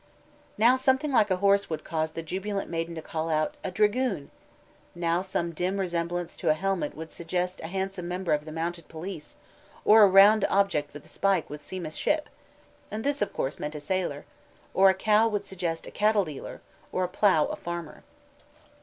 "Now something like a horse would cause the jubilant maiden to call out, 'A dragoon!' Now some dim resemblance to a helmet would suggest a handsome member of the mounted police; or a round object with a spike would seem a ship, and this of course meant a sailor; or a cow would suggest a cattle dealer, or a plough a farmer."